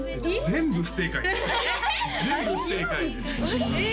全部不正解ですえ